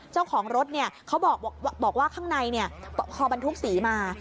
เจ้าของรถเขาบอกว่าข้างในพอบรรทุกสีมา